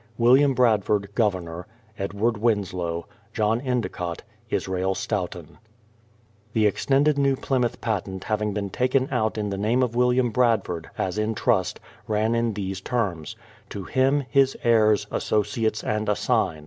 WILLIAM BRADFORD, Governor JOHN ENDICOTT EDWARD WINSLOW ISRAEL STOUGHTON The extended New Plymouth patent havhig been taken out in the name of Wilham Bradford, as in trust, ran in these terms : "To him, his heirs, associates, and assigns."